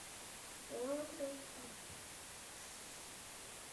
Ta je zpravidla výrazná a obloukovitě klenutá.